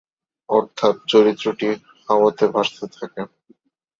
অর্থাৎ চরিত্রটি হাওয়ায় ভাসতে থাকে।